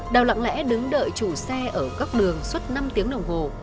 đào lặng lẽ đứng đợi chủ xe ở góc đường suốt năm tiếng đồng hồ